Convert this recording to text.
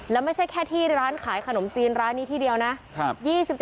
แล้วไม่ใช่แค่ที่ร้านขายขนมจีนร้านนี้ที่เดียวนะ